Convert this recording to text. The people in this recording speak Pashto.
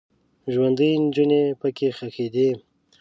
ژوندۍ نجونې پکې ښخیدې.